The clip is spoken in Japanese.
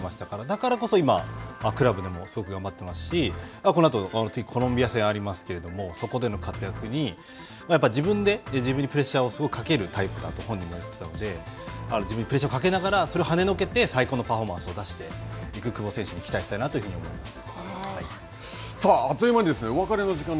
だからこそ今、クラブでもすごく頑張っていますし、このあと、コロンビア戦がありますけどそこでの活躍に、やっぱり自分で自分にプレッシャーをかけるタイプだと本人も言ってたので自分にプレッシャーをかけながらそれをはねのけて最高のパフォーマンスを出していく久保選手に期待したいなというふうに思います。